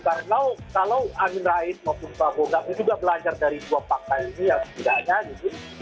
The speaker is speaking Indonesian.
karena kalau amin raih maupun prabowo gakun juga belajar dari dua fakta ini ya sebenarnya gitu